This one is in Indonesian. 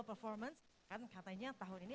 performance kan katanya tahun ini